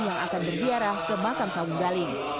yang akan berziarah ke makam sawung galing